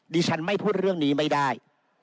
ดิฉันไม่พูดเรื่องนี้ไม่ได้